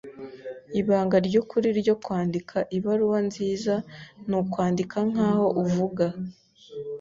Ibanga ryukuri ryo kwandika ibaruwa nziza nukwandika nkaho uvuga.